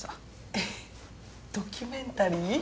えっドキュメンタリー？